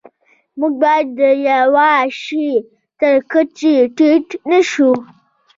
موږ باید د یوه شي تر کچې ټیټ نشو.